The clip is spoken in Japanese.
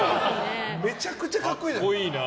めちゃくちゃ格好いいな。